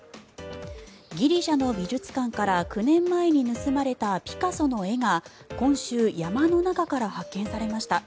ギリシャの美術館から９年前に盗まれたピカソの絵が今週、山の中から発見されました。